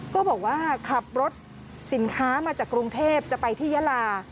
ก็บอกว่าขับรถสินค้ามาจากกรุงเทพจะไปที่ยาลา